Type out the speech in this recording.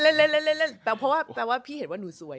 เล่นเล่นเล่นเพราะว่าพี่เห็นว่าหนูสวย